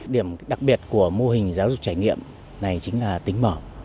điểm đặc biệt của mô hình giáo dục trải nghiệm này chính là tính mở